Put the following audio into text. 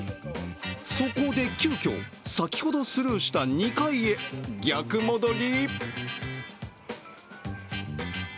そこで急きょ、先ほどスルーした２階へ逆戻り。